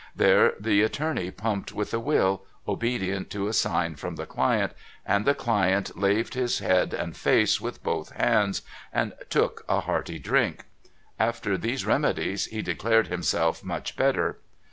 There the attorney pumped with a will, obedient to a sign from the client, and the client laved his head and face with both hands, and took a hearty drink. After these remedies, he declared himself much better.